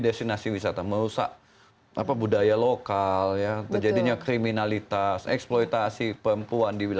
destinasi wisata merusak apa budaya lokal yang terjadinya kriminalitas eksploitasi perempuan di